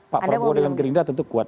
pak prabowo dengan gerindra tentu kuat